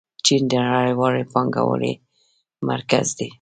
چین د نړیوالې پانګونې مرکز دی.